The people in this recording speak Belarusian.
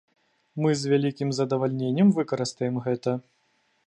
Мы з вялікім задавальненнем выкарыстаем гэта.